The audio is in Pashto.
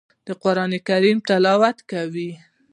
د قران کریم تلاوت کوي.